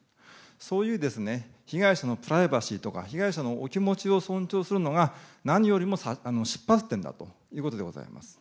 そういう被害者のプライバシーとか、被害者のお気持ちを尊重するのが何よりも出発点だということでございます。